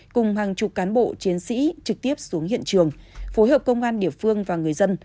cùng hàng chục cán bộ chiến sĩ trực tiếp xuống hiện trường phối hợp công an địa phương và người dân